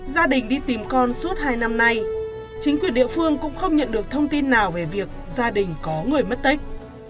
gia đình đi tìm con suốt hai năm nay chính quyền địa phương cũng không nhận được thông tin nào về việc gia đình có người mất tích